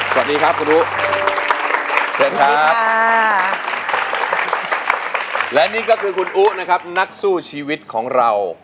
สวัสดีครับคุณอุเชิญครับและนี่ก็คือคุณอุ๊นะครับนักสู้ชีวิตของเรา